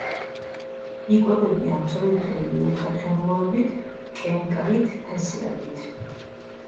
იკვებებიან წვრილ-წვრილი უხერხემლოებით, კენკრით, თესლებით.